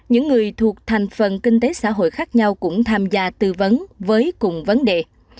những người thuộc thành phần kinh tế xã hội khác nhau cũng tham gia tư vấn với cùng vấn đề